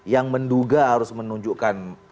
yang menduga harus menunjukkan